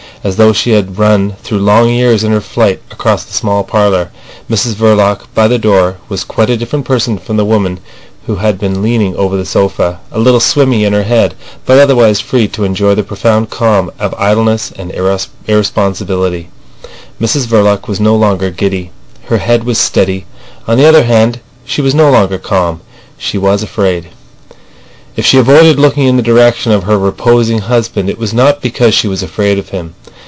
As though she had run through long years in her flight across the small parlour, Mrs Verloc by the door was quite a different person from the woman who had been leaning over the sofa, a little swimmy in her head, but otherwise free to enjoy the profound calm of idleness and irresponsibility. Mrs Verloc was no longer giddy. Her head was steady. On the other hand, she was no longer calm. She was afraid. If she avoided looking in the direction of her reposing husband it was not because she was afraid of him.